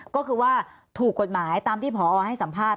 ก็คือว่าถูกกฎหมายตามที่พอให้สัมภาษณ